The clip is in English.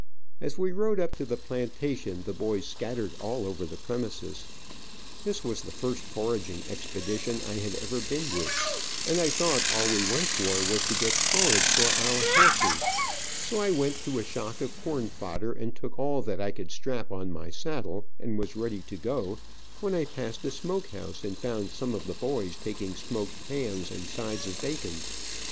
As we rode up to the plantation the boys scattered all over the premises. This was the first foraging expedition I had ever been with, and I thought all we went for was to get forage for our horses, so I went to a shock of corn fodder and took all that I could strap on my saddle, and was ready to go, when I passed a smoke house and found some of the boys taking smoked hams and sides of bacon.